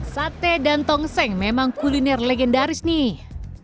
sate dan tongseng memang kuliner legendaris nih